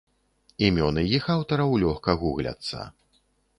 Імёны іх аўтараў лёгка гугляцца.